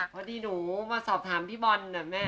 พอดีหนูมาสอบถามพี่บอลน่ะแม่